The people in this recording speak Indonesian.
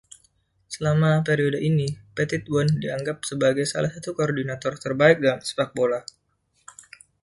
Selama periode ini, Petitbon dianggap sebagai salah satu koordinator terbaik dalam sepak bola.